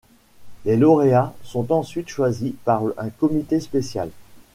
Les lauréats sont ensuite choisis par un comité spécial.